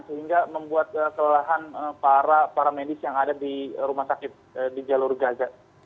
sehingga membuat kelelahan para medis yang ada di rumah sakit di jalur gaza